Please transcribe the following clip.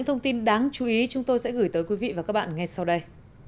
thông tin đáng chú ý sẽ gửi tới quý vị và các bạn ngay sau đây